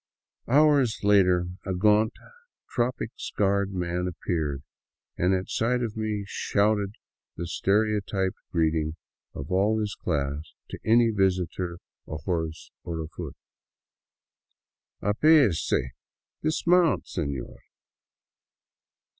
Hours later a gaunt, tropic scarred man appeared, and at sight of me shouted the stereotyped greeting of all his class to any visitor ahorse or afoot: " Apease — dismount, senor."